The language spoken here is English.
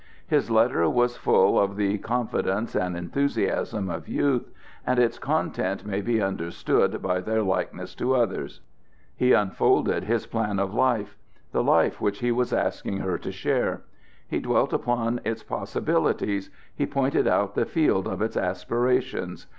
His letter was full of the confidence and enthusiasm of youth, and its contents may be understood by their likeness to others. He unfolded the plan of his life the life which he was asking her to share. He dwelt upon its possibilities, he pointed out the field of its aspirations.